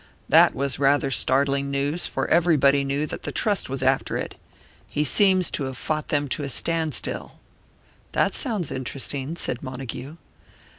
That was rather startling news, for everybody knew that the Trust was after it. He seems to have fought them to a standstill." "That sounds interesting," said Montague.